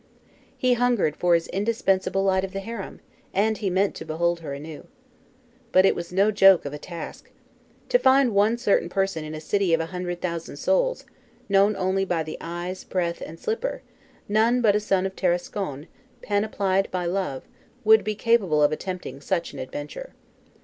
He hungered for his indispensable light of the harem! and he meant to behold her anew. But it was no joke of a task. To find one certain person in a city of a hundred thousand souls, only known by the eyes, breath, and slipper, none but a son of Tarascon, panoplied by love, would be capable of attempting such an adventure.